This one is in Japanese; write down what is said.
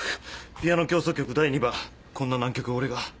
『ピアノ協奏曲第２番』こんな難曲を俺が！？